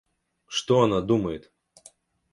Что она думает?